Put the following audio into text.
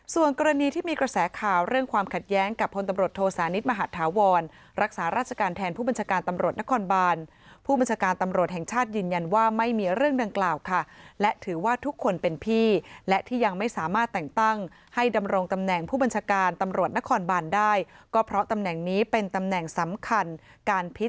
ส่วนกรณีที่มีกระแสข่าวเรื่องความขัดแย้งกับพลตำรวจโทสานิทมหาธาวรรักษาราชการแทนผู้บัญชาการตำรวจนครบานผู้บัญชาการตำรวจแห่งชาติยืนยันว่าไม่มีเรื่องดังกล่าวค่ะและถือว่าทุกคนเป็นพี่และที่ยังไม่สามารถแต่งตั้งให้ดำรงตำแหน่งผู้บัญชาการตำรวจนครบานได้ก็เพราะตำแหน่งนี้เป็นตำแหน่งสำคัญการพิ